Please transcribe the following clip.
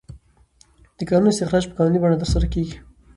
د کانونو استخراج په قانوني بڼه ترسره کیږي.